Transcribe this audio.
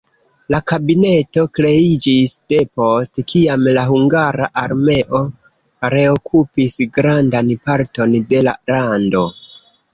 La kabineto kreiĝis depost kiam la hungara armeo reokupis grandan parton de la lando.